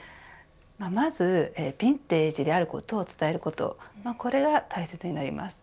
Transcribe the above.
まずヴィンテージであることを伝えることこれは大切になります。